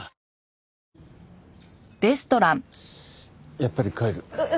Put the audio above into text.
やっぱり帰る。